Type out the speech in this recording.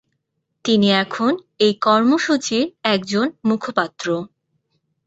তিনি এখন এই কর্মসূচির একজন মুখপাত্র।